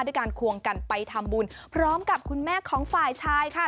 ด้วยการควงกันไปทำบุญพร้อมกับคุณแม่ของฝ่ายชายค่ะ